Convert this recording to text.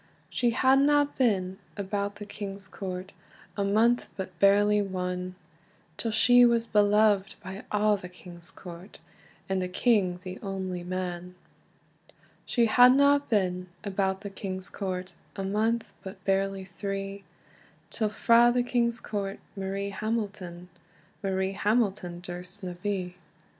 She hadna been about the king's court A month, but barely one, Till she was beloved by a' the king's court, And the king the only man. She hadna been about the king's court A month, but barely three, Till frae the king's court Marie Hamilton, Marie Hamilton durst na be.